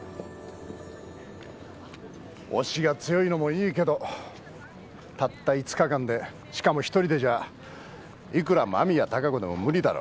押しが強いのもいいけどたった５日間でしかも一人でじゃいくら間宮貴子でも無理だろ。